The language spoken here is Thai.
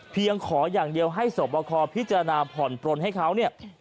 ขออย่างเดียวให้สวบคอพิจารณาผ่อนปลนให้เขาเนี่ย